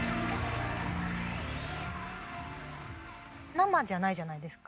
生じゃないじゃないですか。